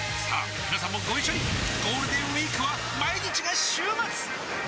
みなさんもご一緒にゴールデンウィークは毎日が週末！